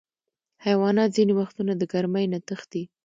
حیوانات ځینې وختونه د ګرمۍ نه تښتي.